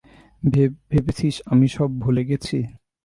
ভেবেছিস আমি সব ভুলে গেছি?